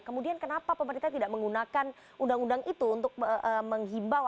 kemudian kenapa pemerintah tidak menggunakan undang undang itu untuk menghimbau